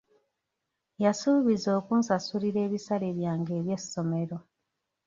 Yasuubiza okunsasulira ebisale byange eby'esomero.